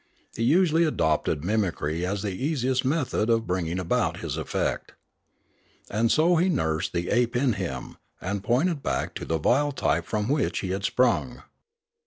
He usually adopted mimicry as the easiest method of briuging about his effect. And so he nursed the ape in him, and pointed back to the vile type from which he had sprung.